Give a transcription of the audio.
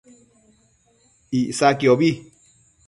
Icsaquiobi